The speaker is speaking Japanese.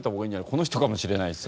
この人かもしれないしさ。